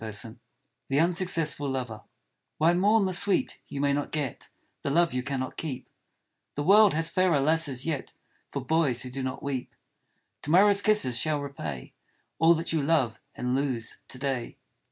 84 THE UNSUCCESSFUL LOVER WHY mourn the sweet you may not get, The love you cannot keep ? The world has fairer lasses yet For boys who do not weep. To morrow's kisses shall repay All that you love and lose to day.